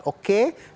tiket pesawat oke